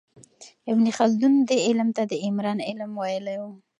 ابن خلدون دې علم ته د عمران علم ویلی و.